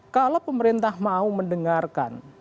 kalau pemerintah mau mendengarkan